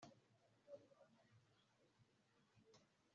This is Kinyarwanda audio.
Ibi bikenewe nabwo bugomba kwitabwaho